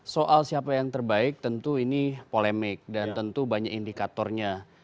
soal siapa yang terbaik tentu ini polemik dan tentu banyak indikatornya